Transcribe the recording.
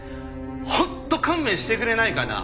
本当勘弁してくれないかな？